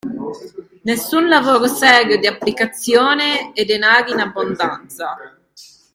Nessun lavoro serio, di applicazione, e denari in abbondanza.